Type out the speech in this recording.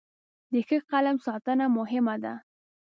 د ښه قلم ساتنه مهمه ده.